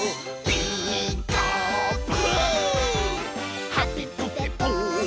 「ピーカーブ！」